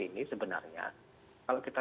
ini sebenarnya kalau kita